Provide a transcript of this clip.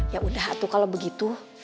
yaudah tuh kalau begitu